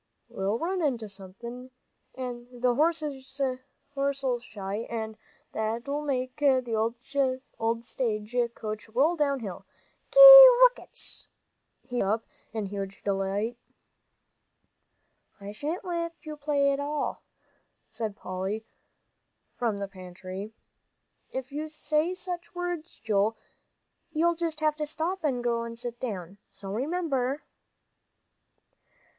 "We'll run into somethin' an' th' horse'll shy, and that'll make the old stage coach roll down hill. Gee whickets!" he brought up, in huge delight. "I shan't let you play it at all," said Polly, from the pantry, "if you say such words, Joel. You'll just have to stop and go and sit down. So remember."